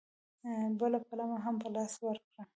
بله پلمه هم په لاس ورکړه.